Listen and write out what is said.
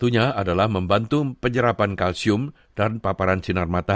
ia bisa membantu tubuh kita memproduksi vitamin d